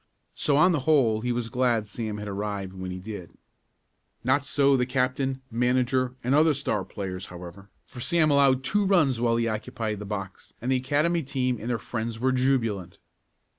So, on the whole, he was glad Sam had arrived when he did. Not so the captain, manager and other Star players, however, for Sam allowed two runs while he occupied the box, and the Academy team and their friends were jubilant.